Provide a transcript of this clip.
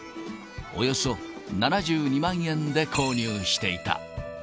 およそ７２万円で購入していた。